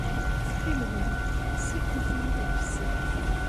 Ttxil-wen, ssakit-iyi-d ɣef ssebɛa.